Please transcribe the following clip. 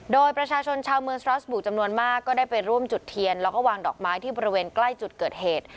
โดยประชาชนชาวเมืองสรอสบุกจำนวนมากก็ได้ไปร่วมจุดเทียนแล้วก็วางดอกไม้ที่บริเวณใกล้จุดเกิดเหตุ